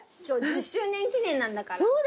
今日１０周年記念なんだから。